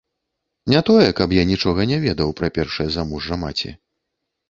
Не тое, каб я нічога не ведаў пра першае замужжа маці.